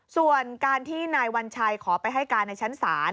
ส่วนการที่นายวัญชัยขอไปให้การในชั้นศาล